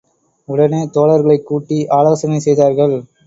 உடனே, தோழர்களைக் கூட்டி, ஆலோசனை செய்தார்கள்.